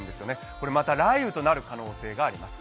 これ、また雷雨となる可能性があります。